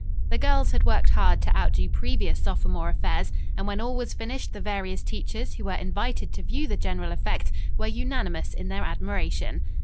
The girls had worked hard to outdo previous sophomore affairs, and when all was finished the various teachers who were invited to view the general effect were unanimous in their admiration.